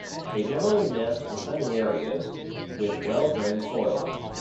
They generally nest in sunny areas, with well drained soil.